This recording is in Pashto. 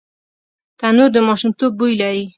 تنور د ماشومتوب بوی لري